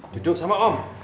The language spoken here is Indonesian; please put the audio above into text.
duduk sama om